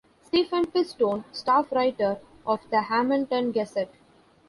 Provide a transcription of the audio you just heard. Stephen Pistone - Staff Writer of The Hammonton Gazette.